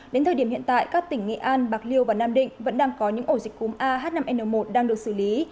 đến thời điểm hiện tại các tỉnh nghệ an bạc liêu và nam định vẫn đang có những ổ dịch cúm ah năm n một đang được xử lý